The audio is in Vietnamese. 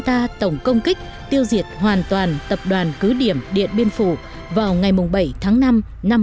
ta tổng công kích tiêu diệt hoàn toàn tập đoàn cứ điểm điện bên phủ vào ngày bảy tháng năm năm một nghìn chín trăm năm mươi bốn